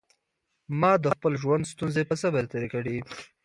ما د خپل ژوند ستونزې په صبر تېرې کړې.